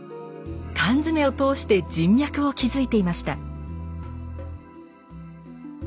缶詰を通して人脈を築いていました。